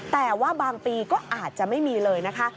แต่ว่าบางปีก็อาจจะไม่มีเลยนะคะ